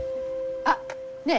あっねえ